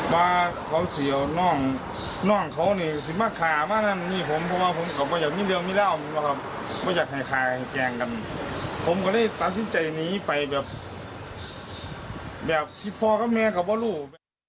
ว่าผมก็เลยตัดสินใจหนีไปแบบที่พ่อกับแม่เขาว่าลูก